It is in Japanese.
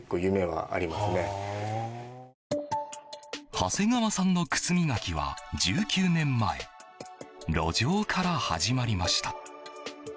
長谷川さんの靴磨きは１９年前路上から始まりました。